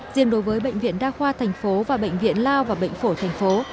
diện đối với bệnh viện đa khoa thành phố và bệnh viện lao và bệnh phổ thành phố